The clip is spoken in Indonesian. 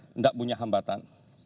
tidak punya hambatan